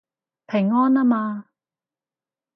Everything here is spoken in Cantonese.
平安吖嘛